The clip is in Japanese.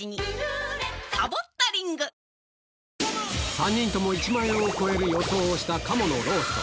３人とも１万円を超える予想をした鴨のロースト。